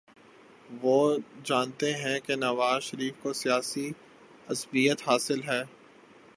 وہ جانتے ہیں کہ نواز شریف کو سیاسی عصبیت حاصل ہے۔